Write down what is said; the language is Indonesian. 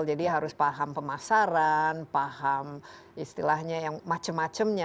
harus paham pemasaran paham istilahnya yang macam macamnya